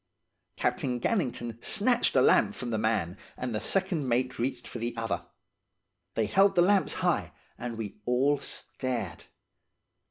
"Captain Gannington snatched a lamp from the man and the second mate reached for the other. They held the lamps high, and we all stared.